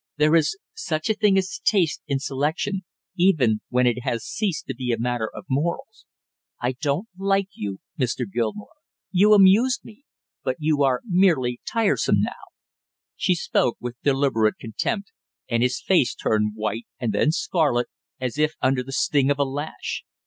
There is such a thing as taste in selection even when it has ceased to be a matter of morals. I don't like you, Mr. Gilmore. You amused me, but you are merely tiresome now." She spoke with deliberate contempt, and his face turned white and then scarlet, as if under the sting of a lash.